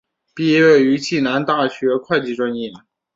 毕业于暨南大学会计专业。